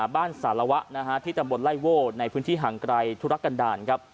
บ้านสารวะนะฮะที่จะบดไล่โว้ในพื้นที่หางไกลทุรกันดาลครับ